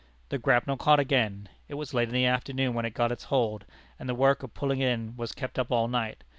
The grapnel caught again. It was late in the afternoon when it got its hold, and the work of pulling in was kept up all night.